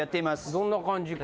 どんな感じか？